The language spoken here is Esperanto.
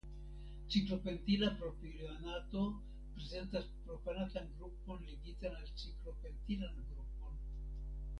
Ciklopentila propionato prezentas propanatan grupon ligitan al ciklopentilan grupon.